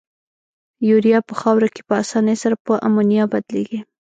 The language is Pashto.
یوریا په خاوره کې په اساني سره په امونیا بدلیږي.